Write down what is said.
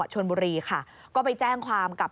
โดดลงรถหรือยังไงครับ